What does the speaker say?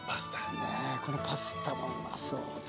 ねえこのパスタもうまそうだな。